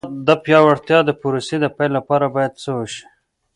د پیاوړتیا د پروسې د پیل لپاره باید څه وشي.